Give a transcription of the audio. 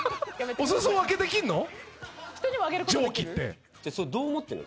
お裾分けできんの？